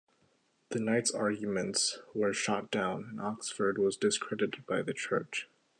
The knights' arguments were shot down, and Oxford was discredited by the Church.